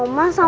bik bawa aku